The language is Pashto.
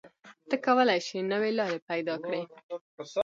ته کولی شې نوې لارې پیدا کړې.